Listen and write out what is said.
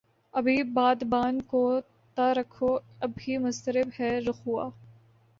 ابھی بادبان کو تہ رکھو ابھی مضطرب ہے رخ ہوا